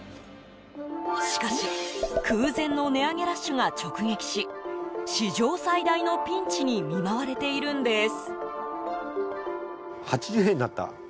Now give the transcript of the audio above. しかし空前の値上げラッシュが直撃し史上最大のピンチに見舞われているんです。